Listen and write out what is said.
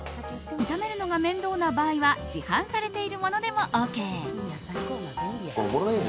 炒めるのが面倒な場合は市販されているものでもＯＫ。